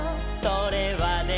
「それはね」